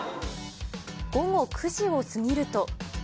午後９時を過ぎると。